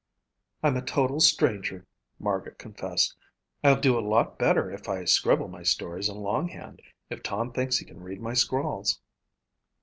"I'm a total stranger," Margaret confessed. "I'll do a lot better if I scribble my stories in longhand, if Tom thinks he can read my scrawls."